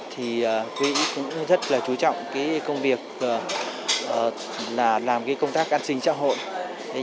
thì quỹ cũng rất là chú trọng công việc làm công tác an sinh trao hội